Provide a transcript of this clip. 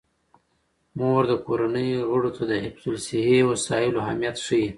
مور د کورنۍ غړو ته د حفظ الصحې وسایلو اهمیت ښيي.